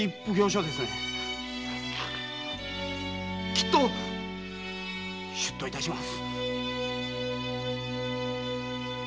きっと出頭致します。